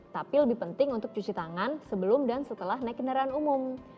tapi lebih penting untuk cuci tangan sebelum dan setelah naik kendaraan umum